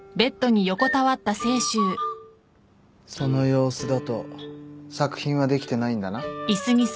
その様子だと作品はできてないんだな？